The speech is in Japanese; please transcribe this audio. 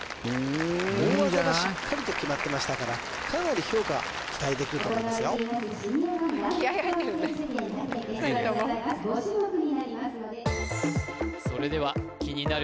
大技がしっかりと決まってましたからかなり評価期待できると思いますよ２人ともそれでは気になる